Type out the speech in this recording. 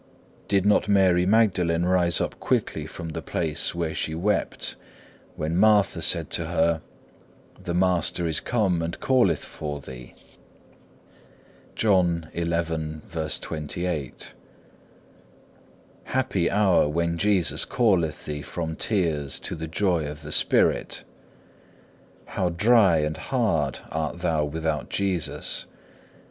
Did not Mary Magdalene rise up quickly from the place where she wept when Martha said to her, The Master is come and calleth for thee?(1) Happy hour when Jesus calleth thee from tears to the joy of the spirit! How dry and hard art thou without Jesus!